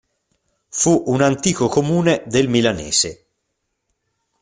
Fu un antico comune del Milanese.